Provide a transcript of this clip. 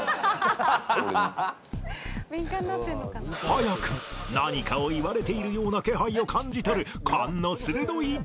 早くも何かを言われているような気配を感じ取る勘の鋭い ＪＯＹ